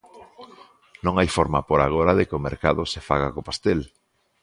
Non hai forma por agora de que o mercado se faga co pastel.